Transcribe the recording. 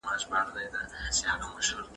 دغه قانون باید په پښتو کي تشرېح سي.